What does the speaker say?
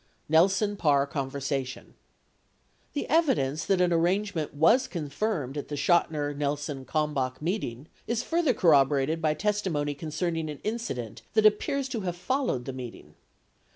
NELSON PARR CONVERSATION The evidence that an arrangement was confirmed at the Chotiner Nelson Kalmbach meeting is further corroborated by testimony con cerning an incident that appears to have followed the meeting.